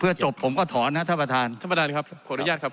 จบผมก็ถอนนะท่านประธานท่านประธานครับขออนุญาตครับ